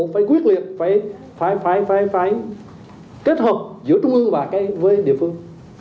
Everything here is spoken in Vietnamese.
phải quyết liệt phải kết hợp giữa trung ương và với địa phương